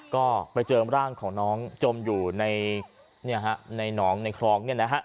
ก็ไปเจอร่างของน้องจมอยู่ในหนองในคลองเนี่ยนะฮะ